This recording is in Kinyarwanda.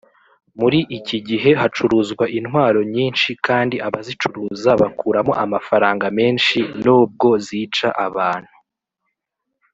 Muri iki gihe hacuruzwa intwaro nyinshi kandi abazicuruza bakuramo amafaranga menshi nubwo zica abantu